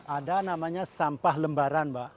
ada namanya sampah lembaran mbak